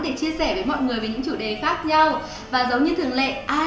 để chia sẻ với mọi người về những chủ đề khác nhau